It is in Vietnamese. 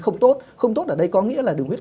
không tốt không tốt ở đây có nghĩa là đường huyết